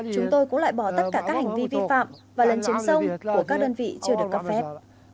chúng tôi cũng loại bỏ tất cả các hành vi vi phạm và lần chiếm sông của các đơn vị chưa được cấp phép